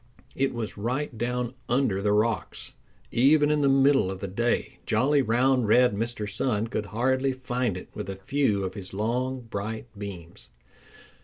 It was right down under the rocks. Even in the middle of the day jolly, round, red Mr. Sun could hardly find it with a few of his long, bright beams.